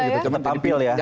tetap tampil ya